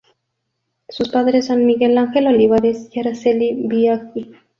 Sus padres son Miguel Ángel Olivares y Aracely Biagi.